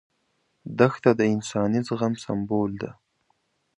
دښته د انساني زغم سمبول ده.